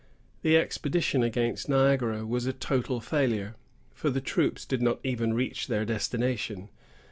The expedition against Niagara was a total failure, for the troops did not even reach their destination.